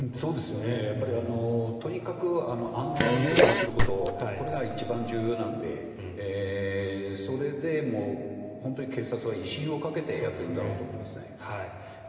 やっぱりとにかく安全に挙行することこれが一番重要なのでそれでも本当に警察は威信をかけてやっているんだろうと思いますね。